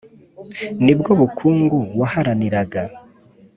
Ni bwo bukungu waharaniraga?